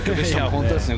本当ですね。